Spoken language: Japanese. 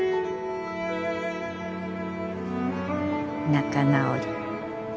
仲直り。